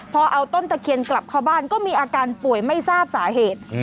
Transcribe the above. พอเอาต้นตะเคียนกลับเข้าบ้านก็มีอาการป่วยไม่ทราบสาเหตุ